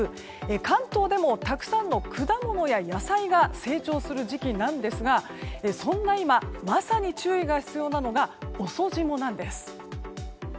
関東でもたくさんの果物や野菜が成長する時期なんですがそんな今まさに注意が必要なのが遅霜なんです。